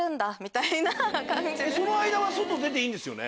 その間は外出ていいんですよね。